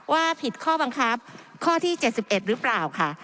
ว่าผิดข้อบังคับข้อที่๗๑หรือเปล่าค่ะ